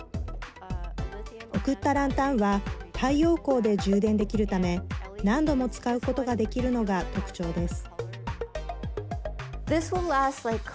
贈ったランタンは太陽光で充電できるため何度も使うことができるのが特徴です。